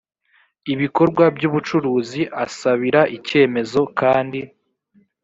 ibikorwa by ubucuruzi asabira icyemezo kandi